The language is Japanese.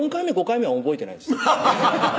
５回目は覚えてないです